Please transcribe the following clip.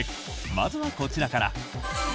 まずこちらから。